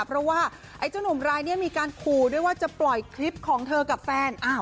เพราะว่าไอ้เจ้าหนุ่มรายนี้มีการขู่ด้วยว่าจะปล่อยคลิปของเธอกับแฟน